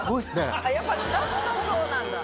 やっぱ出すとそうなんだ。